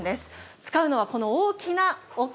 使うのはこの大きなおけ。